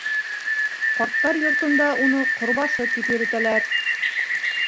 Карттар йортонда уны Ҡорбашы тип йөрөтәләр.